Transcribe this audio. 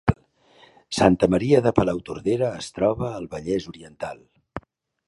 Santa Maria de Palautordera es troba al Vallès Oriental